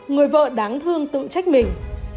người vợ đáng thương tự trách mình